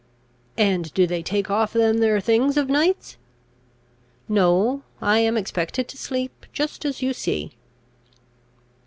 "And do they take off them there things of nights?" "No; I am expected to sleep just as you see."